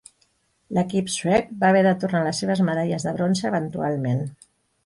L'equip suec va haver de tornar les seves medalles de bronze eventualment.